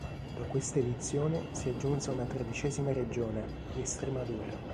Da questa edizione si aggiunse una tredicesima regione, l'Estremadura.